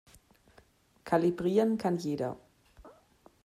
Kalibrieren kann jeder.